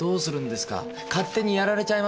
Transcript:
勝手にやられちゃいますよ。